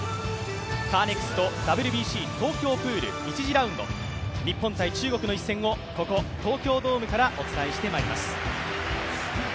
カーネクストＷＢＣ東京プール１次ラウンド、日本×中国の一戦をここ東京ドームからお伝えしてまいります。